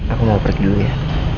aku mau pergi dulu ya